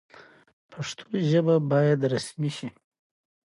ماريا پر هوارې تيږې کېناسته.